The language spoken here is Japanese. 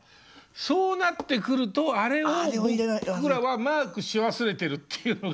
そうなってくるとあれを僕らはマークし忘れてるっていうのが。